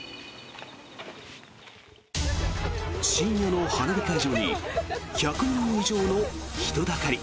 深夜の花火会場に１００人以上の人だかり。